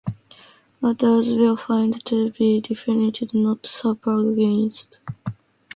Others were found to be definitely not supergiants.